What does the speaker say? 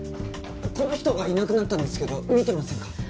この人がいなくなったんですけど見てませんか？